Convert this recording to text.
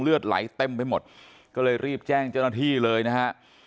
เลือดไหลเต็มไปหมดก็เลยรีบแจ้งเจ้าหน้าที่เลยนะฮะ